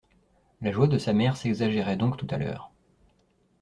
La joie de sa mère s'exagérait donc tout à l'heure.